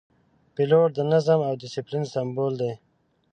پیلوټ د نظم او دسپلین سمبول دی.